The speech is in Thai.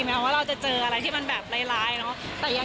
แม้ว่าเราจะเจออะไรที่มันแบบร้ายเนอะ